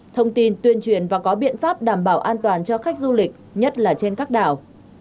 thông tin tuyên truyền và có biện pháp đảm bảo an toàn cho khách du lịch nhất là trên các đảo